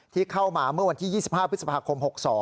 ที่เข้ามาเมื่อวันที่๒๕พฤษภาคม๖๒